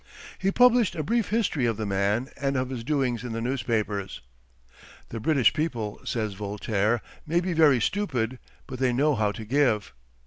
He published a brief history of the man and of his doings in the newspapers. "The British people," says Voltaire, "may be very stupid, but they know how to give."